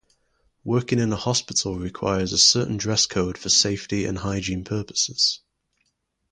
Working in a hospital requires a certain dress code for safety and hygiene purposes.